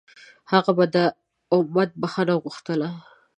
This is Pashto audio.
هغه به د امت بښنه غوښتله.